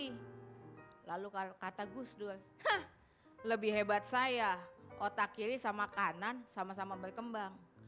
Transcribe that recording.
tapi lalu kalau kata gus dur lebih hebat saya otak kiri sama kanan sama sama berkembang